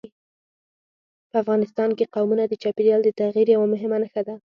په افغانستان کې قومونه د چاپېریال د تغیر یوه مهمه نښه ده.